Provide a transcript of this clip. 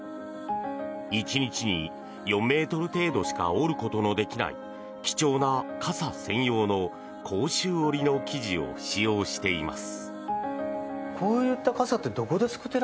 １日に４ｍ程度しか織ることのできない貴重な傘専用の甲州織の生地を使用しています。